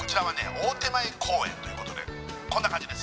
大手前公園ということでこんな感じです